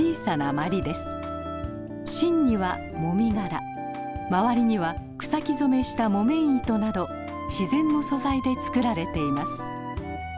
芯にはもみ殻周りには草木染めした木綿糸など自然の素材で作られています。